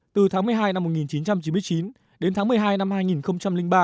từ tháng một mươi hai năm một nghìn chín trăm chín mươi chín đến tháng một mươi hai năm hai nghìn ba